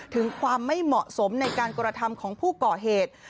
ถึงความไม่เหมาะสมในการกระทำของผู้ก่อเหตุ